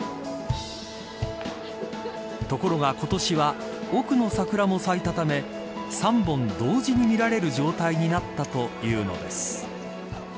ところが今年は奥の桜も咲いたため３本同時に見られる状態になったというのです。